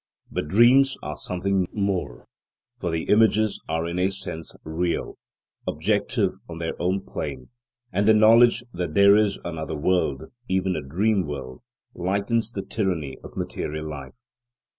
But dreams are something more, for the images are in a sense real, objective on their own plane; and the knowledge that there is another world, even a dream world, lightens the tyranny of material life.